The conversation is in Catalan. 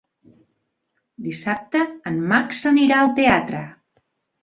Dissabte en Max anirà al teatre.